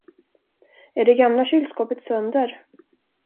Är det gamla kylskåpet sönder?